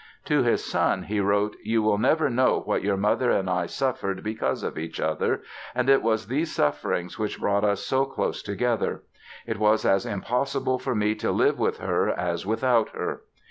To his son he wrote: "You will never know what your mother and I suffered because of each other and it was these sufferings which brought us so close together. It was as impossible for me to live with her as without her!"